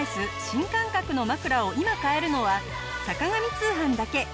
新感覚の枕を今買えるのは『坂上通販』だけ。